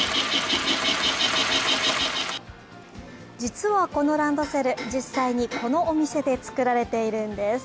実はこのランドセル、実際にこのお店で作られているんです。